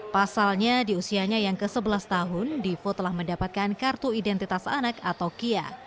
pasalnya di usianya yang ke sebelas tahun divo telah mendapatkan kartu identitas anak atau kia